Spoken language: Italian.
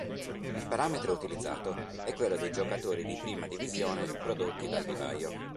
Il parametro utilizzato è quello dei giocatori di prima divisione prodotti dal vivaio.